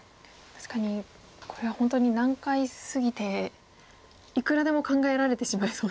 確かにこれは本当に難解すぎていくらでも考えられてしまいそうですよね。